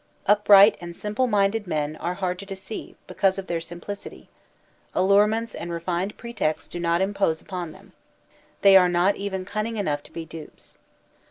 Upright and simple minded men are hard to deceive because of their sim plicity ; allurements and refined pretexts do not impose upon them; they are not even cunning enough to be dupes.